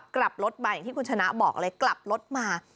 กลับรถไปอย่างที่คุณชนะบอกเลยกลับรถมา